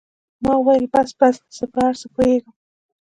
ما وويل بس بس زه په هر څه پوهېږم.